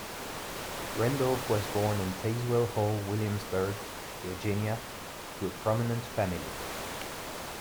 Randolph was born in Tazewell Hall Williamsburg, Virginia to a prominent family.